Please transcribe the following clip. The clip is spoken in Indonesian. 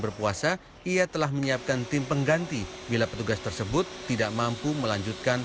berpuasa ia telah menyiapkan tim pengganti bila petugas tersebut tidak mampu melanjutkan